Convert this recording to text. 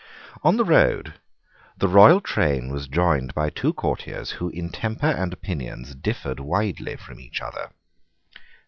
On the road the royal train was joined by two courtiers who in temper and opinions differed widely from each other.